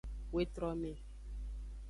Wetrome.